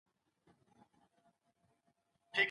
په رواني څانګه کې د بستر څخه وروسته مور ښه پاتې کېږي.